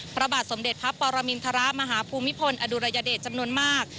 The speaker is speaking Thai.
พระบาทสมเด็จพระปรมินทรมาฮภูมิพลอดุลยเดชจำนวนมาก